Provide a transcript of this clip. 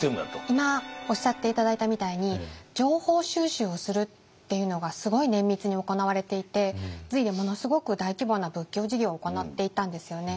今おっしゃって頂いたみたいに情報収集をするっていうのがすごい綿密に行われていて隋でものすごく大規模な仏教事業を行っていたんですよね。